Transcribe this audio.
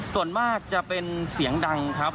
ส่วนมากจะเป็นเสียงดังครับ